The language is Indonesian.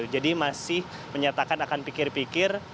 jadi masih menyatakan akan pikir pikir